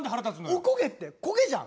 おこげって焦げじゃん。